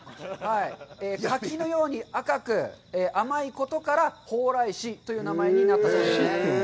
柿のように赤く、甘いことから「蓬莱柿」という名前になったそうです。